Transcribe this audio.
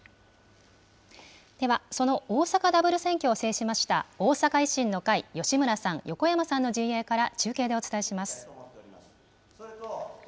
では、その大阪ダブル選挙を制しました大阪維新の会、吉村さん、横山さんの陣営から、中継でお伝えします。